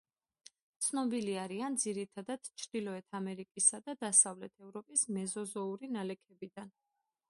ცნობილი არიან ძირითადად ჩრდილოეთი ამერიკისა და დასავლეთ ევროპის მეზოზოური ნალექებიდან.